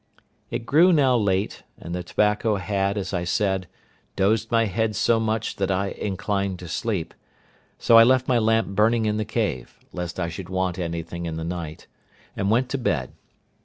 It grew now late, and the tobacco had, as I said, dozed my head so much that I inclined to sleep; so I left my lamp burning in the cave, lest I should want anything in the night, and went to bed.